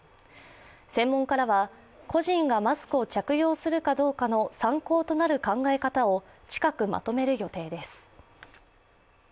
専門家らは個人がマスクを着用するかどうかの参考となる考え方を近くまとめる予定です。